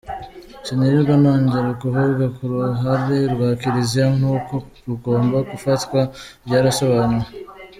Sinirwa nongera kuvuga ku ruhare rwa Kiliziya n’uko rugomba gufatwa byarasobanuwe.